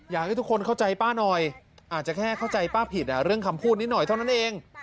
อยากให้ทุกคนเข้าใจป้าหน่อยอาจจะแค่เข้าใจป้าผิดเรื่องคำพูดนิดหน่อยเท่านั้นเอง